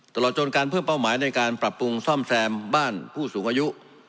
ตลอดจนการเพิ่มเป้าหมายในการปรับปรุงซ่อมแซมบ้านผู้สูงอายุ